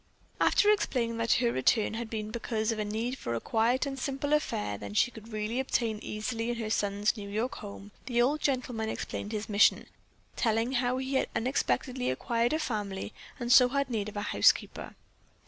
After explaining that her return had been because of a need for quiet and simpler fare than she could obtain easily in her son's New York home, the old gentleman explained his mission, telling how he had unexpectedly acquired a family and so had need of a housekeeper.